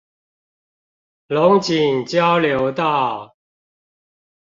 龍井交流道